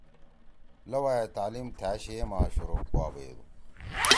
لؤا ئے تعلیم تھأ شَیئے ما شروع کوا بیَدُو۔